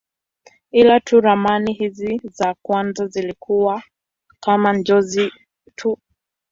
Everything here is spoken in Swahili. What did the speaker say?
Ila tu ramani hizi za kwanza zilikuwa kama njozi tu.